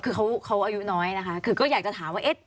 คือเขาอายุน้อยนะคะคือก็อยากจะถามว่าเอ๊ะ